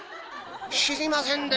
知りませんでしたね。